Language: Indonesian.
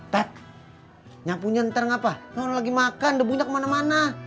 tet nyapu nyantar ngapa lalu lagi makan debunya kemana mana